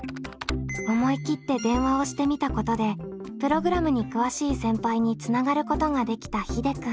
思い切って電話をしてみたことでプログラムに詳しい先輩につながることができたひでくん。